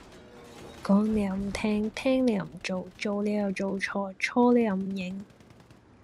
講你又唔聽聽你又唔做做你又做錯錯你又唔認